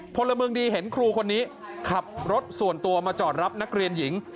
พลเมืองดีเห็นครูคนนี้ขับรถส่วนตัวมาจอดรับนักเรียนหญิง